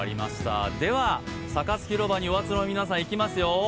では、サカス広場にお集まりの皆さんいきますよ。